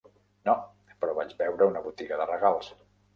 No, però vaig veure una botiga de regals.